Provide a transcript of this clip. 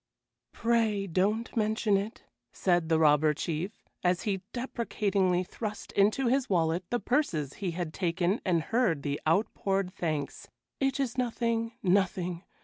"Pray don't mention it!" said the Robber Chief, as he deprecatingly thrust into his wallet the purses he had taken and heard the outpoured thanks. "It is nothing, nothing!